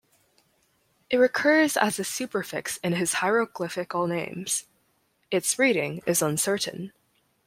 It recurs as a superfix in his hieroglyphical names; its reading is uncertain.